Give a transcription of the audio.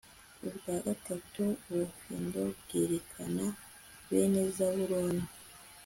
ubwa gatatu, ubufindo bwerekana bene zabuloni